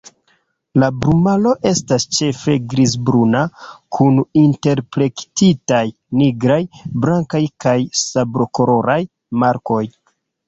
La plumaro estas ĉefe grizbruna kun interplektitaj nigraj, blankaj kaj sablokoloraj markoj.